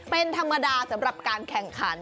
เป็นธรรมดาสำหรับการแข่งขัน